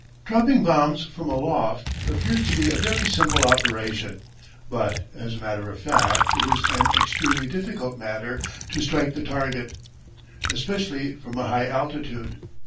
Dropping bombs from aloft appears to be a very simple operation, but as a matter of fact it is an extremely difficult matter to strike the target, especially from a high altitude.